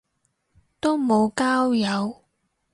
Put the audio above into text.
都無交友